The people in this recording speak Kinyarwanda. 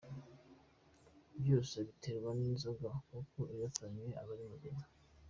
Byose abiterwa n’inzoga kuko iyo atanyoye aba ari muzima.